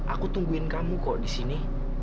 aku tungguin kamu kok di sini